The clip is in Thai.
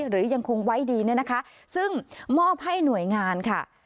หรือยังคงไว้ดีเนี่ยนะคะซึ่งมอบให้หน่วยงานค่ะ